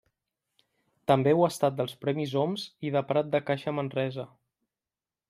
També ho ha estat dels premis Oms i de Prat de Caixa Manresa.